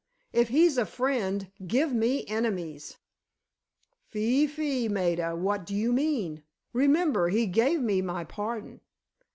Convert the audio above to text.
If he's a friend—give me enemies!" "Fie, fie, Maida, what do you mean? Remember, he gave me my pardon."